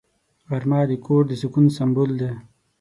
غرمه د کور د سکون سمبول دی